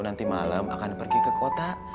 nanti malam akan pergi ke kota